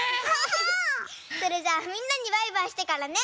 それじゃあみんなにバイバイしてからね。